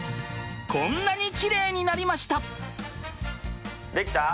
こんなにキレイになりました！